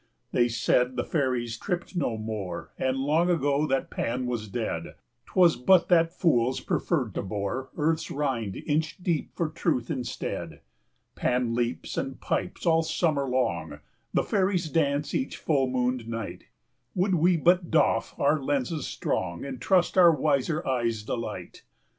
They said the fairies tript no more, And long ago that Pan was dead; 'Twas but that fools preferred to bore Earth's rind inch deep for truth instead. 40 Pan leaps and pipes all summer long, The fairies dance each full mooned night, Would we but doff our lenses strong, And trust our wiser eyes' delight.